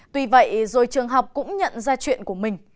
tuy vậy rồi trường học cũng nhận ra chuyện của mình